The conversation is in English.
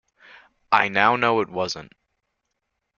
I now know it wasn't.